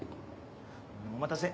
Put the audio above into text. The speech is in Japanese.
お待たせ。